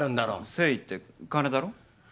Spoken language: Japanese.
誠意って金だろ？